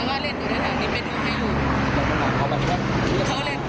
บอกว่าคือเป็นอะไรครับ